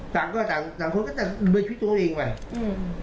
ต่างก็ต่างต่างคนก็เลยชูดตัวเองบ้าง